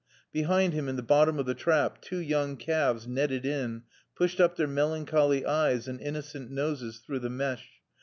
Behind him, in the bottom of the trap, two young calves, netted in, pushed up their melancholy eyes and innocent noses through the mesh.